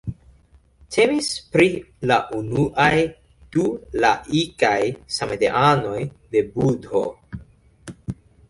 Temis pri la unuaj du laikaj samideanoj de Budho.